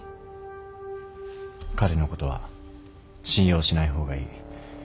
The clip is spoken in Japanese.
彼のことは信用しない方がいい。